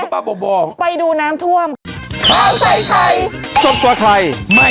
โปรดติดตามตอนต่อไป